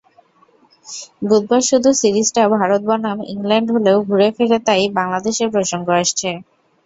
বুধবার শুরু সিরিজটা ভারত বনাম ইংল্যান্ড হলেও ঘুরে–ঘিরে তাই বাংলাদেশের প্রসঙ্গ আসছে।